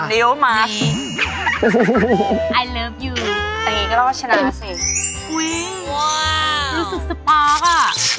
๓นิ้วมาอันนี้ก็ต้องชนะสิรู้สึกสปอร์คอ่ะ